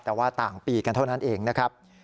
แต่ว่าต่างปีกันเท่านั้นเองนะครับ